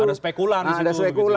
ada spekulan di situ